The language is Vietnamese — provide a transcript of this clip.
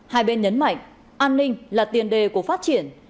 hai bên nhấn mạnh an ninh là tiền đề của phát triển